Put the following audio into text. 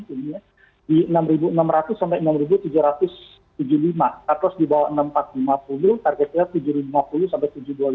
ini di enam ribu enam ratus sampai enam tujuh ratus tujuh puluh lima kad loss di bawah enam ribu empat ratus lima puluh target kita tujuh ratus lima puluh sampai tujuh ribu dua ratus lima puluh